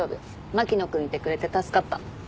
牧野君いてくれて助かった。